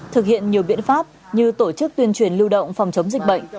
thực hiện nhiều biện pháp như tổ chức tuyên truyền lưu động phòng chống dịch bệnh